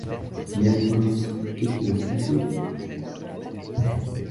Mais enfin, qu'est-ce qui va se passer ?